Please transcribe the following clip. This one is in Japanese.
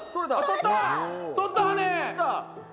取った羽根！